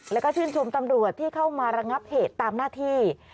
แล้วก็ชื่นชมตำรวจที่เข้ามาระงับเหตุตามหน้าที่